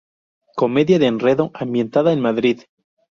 Comedia de enredo, ambientada en Madrid.